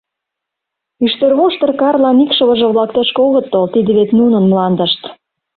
Ӱштервоштыр-Карлан икшывыже-влак тышке огыт тол, тиде вет нунын мландышт!